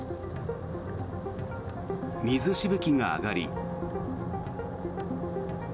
水しぶきが上がり。